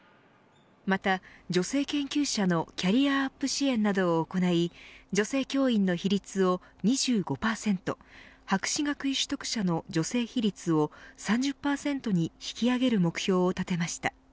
また女性研究者のキャリアアップ支援などを行い女性教員の比率を２５％博士学位取得者の女性比率を３０％に引き上げる目標を立てました。